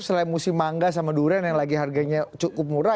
selain musim mangga sama durian yang lagi harganya cukup murah